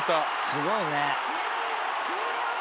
「すごいね」